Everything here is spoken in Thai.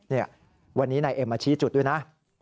เนี่ยวันนี้นายเอ็มมาชี้จุดด้วยนะ